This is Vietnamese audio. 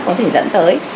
có thể dẫn tới